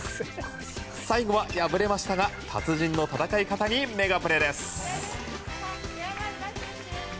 最後は、敗れましたが達人の戦い方にメガプレです。